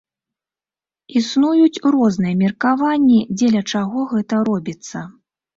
Існуюць розныя меркаванні, дзеля чаго гэта робіцца.